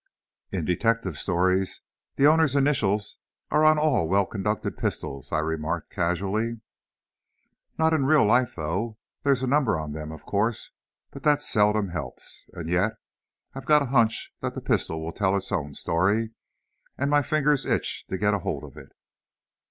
"In detective stories the owner's initials are on all well conducted pistols," I remarked, casually. "Not in real life, though. There's a number on them, of course, but that seldom helps. And yet, I've got a hunch that that pistol will tell its own story, and my fingers itch to get a hold of it!"